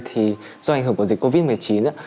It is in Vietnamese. thì do ảnh hưởng của dịch covid một mươi chín